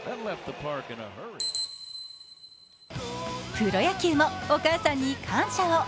プロ野球もお母さんに感謝を。